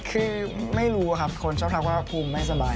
คือไม่รู้ครับคนชอบทักว่าภูมิไม่สบาย